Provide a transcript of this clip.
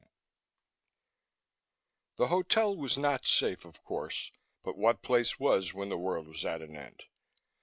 XIV The hotel was not safe, of course, but what place was when the world was at an end?